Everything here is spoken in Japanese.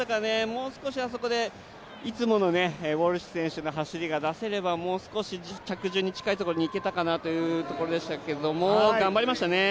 もう少しあそこでいつものウォルシュ選手の走りが出せればもう少し、着順に近いところにいけたかなというところでしたが、頑張りましたね。